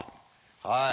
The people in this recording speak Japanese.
はい。